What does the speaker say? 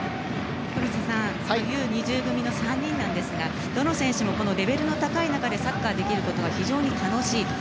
黒瀬さん、Ｕ‐２０組の３人なんですがどの選手もレベルの高い中でサッカーできるのが非常に楽しいと。